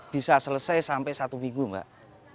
bisa selesai sampai satu minggu mbak